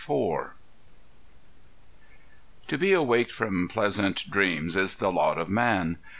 IV To be awaked from pleasant dreams is the lot of man.